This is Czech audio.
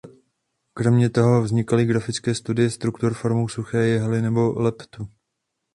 Kromě toho vznikaly grafické studie struktur formou suché jehly nebo leptu.